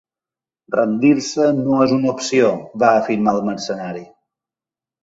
"Rendir-se no és una opció", va afirmar el mercenari.